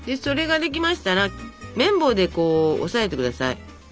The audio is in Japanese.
それができましたら麺棒で押さえて下さい。